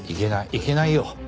いけないよ。